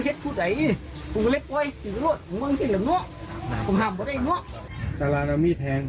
เนี่ยครับครับ